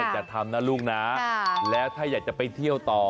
อย่าทำนะลูกนะแล้วถ้าอยากจะไปเที่ยวต่อ